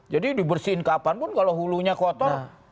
jadi dibersihin kapan pun kalau hulunya kotor